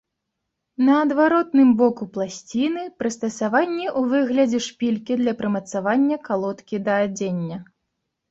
На адваротным боку пласціны прыстасаванне ў выглядзе шпількі для прымацавання калодкі да адзення.